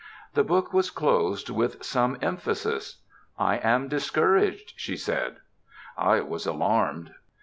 The book was closed with some emphasis. ''I am discouraged," she said. I was alarmed.